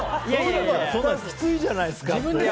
きついじゃないですか。